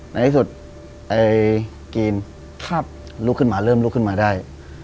ในที่สุดไอ้กีนลุกขึ้นมาเริ่มลุกขึ้นมาได้